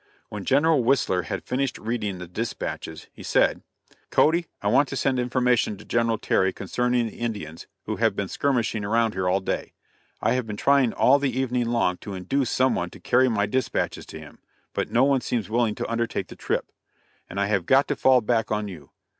When General Whistler had finished reading the dispatches, he said: "Cody, I want to send information to General Terry concerning the Indians who have been skirmishing around here all day. I have been trying all the evening long to induce some one to carry my dispatches to him, but no one seems willing to undertake the trip, and I have got to fall back on you.